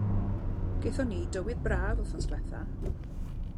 Gethon ni dywydd braf wythnos ddiwetha'.